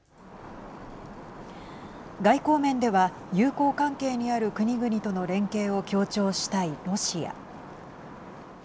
外交面では友好関係にある国々との連携を強調したいロシア。